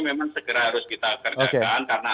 memang segera harus kita kerjakan karena